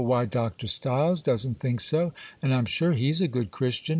Why, Doctor Styles doesn't think so, and I'm sure he's a good Christian.